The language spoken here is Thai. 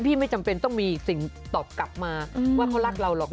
ไม่จำเป็นต้องมีสิ่งตอบกลับมาว่าเขารักเราหรอก